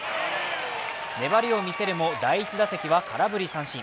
粘りを見せるも第１打席は空振り三振。